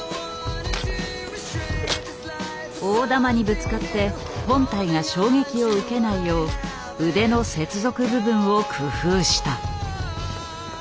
大玉にぶつかって本体が衝撃を受けないよう腕の接続部分を工夫した。